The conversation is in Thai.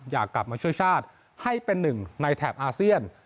อยากกลับมาช่วยชาติให้เป็นหนึ่งในแถบอาเซียน